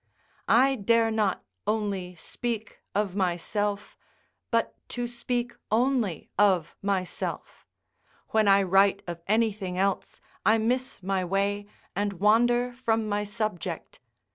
I dare not only speak of myself, but to speak only of myself: when I write of anything else, I miss my way and wander from my subject.